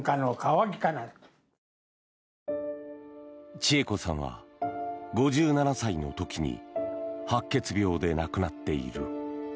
知恵子さんは５７歳の時に白血病で亡くなっている。